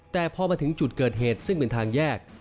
แต่พอมาถึงจุดเกิดเหตุซึ่งเป็นทางแยก